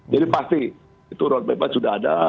jadi pasti itu roadmap sudah ada